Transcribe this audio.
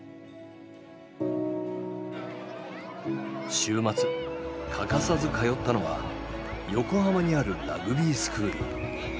週末欠かさず通ったのは横浜にあるラグビースクール。